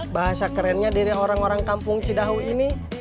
bahasa kerennya dari orang orang kampung cidahu ini